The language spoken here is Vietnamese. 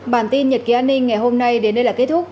bản tin nhật ký an ninh ngày hôm nay đến đây là kết thúc